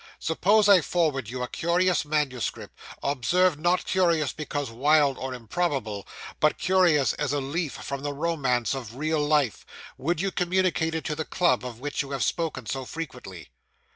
Suppose I forward you a curious manuscript observe, not curious because wild or improbable, but curious as a leaf from the romance of real life would you communicate it to the club, of which you have spoken so frequently?